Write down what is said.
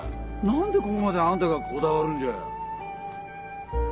何でここまであんたがこだわるんじゃ。